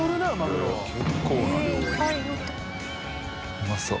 うまそう。